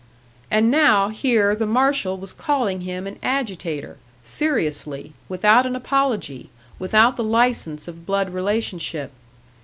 And now, here the marshal was calling him an agitator, seriously, without an apology, without the license of blood relationship.